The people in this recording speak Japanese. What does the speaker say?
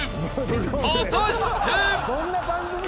［果たして］